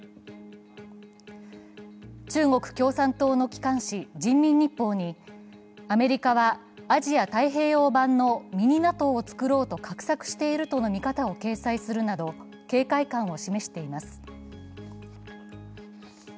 中国共産党の機関紙「人民日報」にアメリカは、アジア太平洋版のミニＮＡＴＯを作ろうと画策しているとの見方を掲載するなど警戒感を示しています。